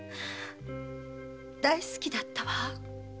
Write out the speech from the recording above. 大好きだったわ。